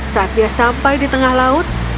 saat dia sampai di tengah laut